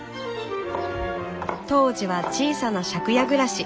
当時は小さな借家暮らし。